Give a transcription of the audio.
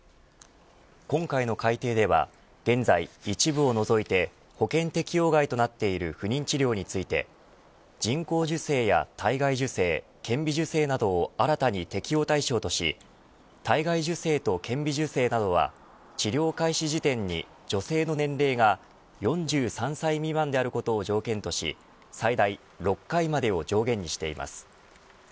今回の改定では現在一部を除いて保険適用外となっている不妊治療について人工授精や体外受精顕微授精などを新たに適用対象とし体外受精と顕微授精などは治療開始時点に女性の年齢が４３歳未満であることを条件とし最大６回までを上限にしています。